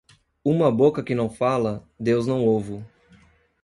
Uma boca que não fala, Deus não ovo.